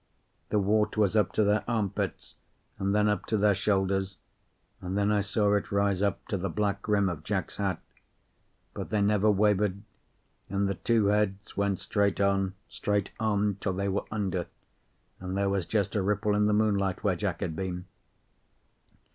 The water was up to their armpits, and then up to their shoulders, and then I saw it rise up to the black rim of Jack's hat. But they never wavered; and the two heads went straight on, straight on, till they were under, and there was just a ripple in the moonlight where Jack had been.